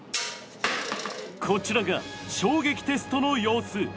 こちらが衝撃テストの様子。